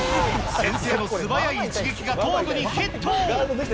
先生の素早い一撃が頭部にヒット。